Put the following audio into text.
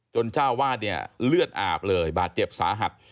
จนเจ้าวาดเลือดอาบเลยบาดเจ็บสาหัส